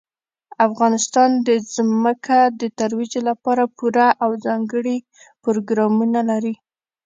افغانستان د ځمکه د ترویج لپاره پوره او ځانګړي پروګرامونه لري.